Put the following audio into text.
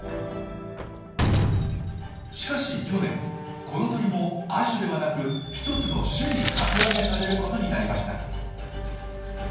しかし去年この鳥も亜種ではなく一つの種に格上げされることになりました。